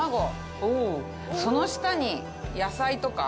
おぉ、その下に野菜とか。